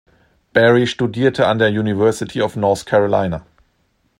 Barry studierte an der University of North Carolina.